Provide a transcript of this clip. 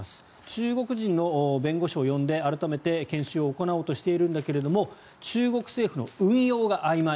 中国人の弁護士を呼んで改めて研修を行おうとしているんだけど中国政府の運用があいまい